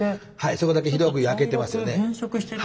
そこだけひどく焼けてますよね。